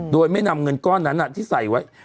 โดยไม่นำเงินก้อนนั้นที่ใส่ไว้